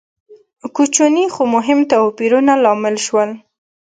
کوچني خو مهم توپیرونه لامل شول.